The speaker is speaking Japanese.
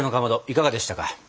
いかがでしたか？